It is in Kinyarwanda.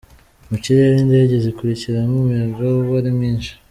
Mu kirere indege zigurukiramo, umuyaga uba ari mwinshi.